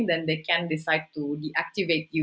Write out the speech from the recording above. mereka bisa memutuskan untuk mengaktifkanmu